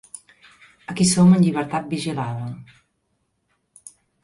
Aquí som en llibertat vigilada.